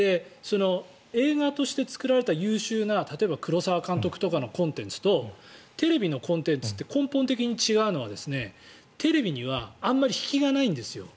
映画として作られた優秀な例えば黒沢監督とかのコンテンツとテレビのコンテンツで根本的に違うのはテレビにはあまり引きがないんですよ。